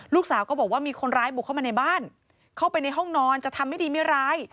ลูกสาวก็บอกว่ามีคนร้ายบุกเข้ามาในบ้านเข้าไปในห้องนอนจะทำไม่ดีไม่ร้าย